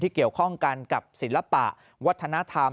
เกี่ยวข้องกันกับศิลปะวัฒนธรรม